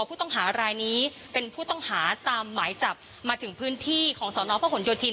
ผู้ต้องหารายนี้เป็นผู้ต้องหาตามหมายจับมาถึงพื้นที่ของสนพระหลโยธิน